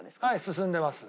進んでます？